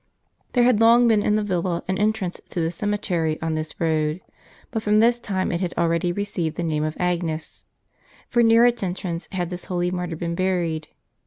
There had long been in the villa an entrance to the ceme tery on this road ; but from this time it had already received the name of Agnes ; for near its entrance had this holy martyr been buried.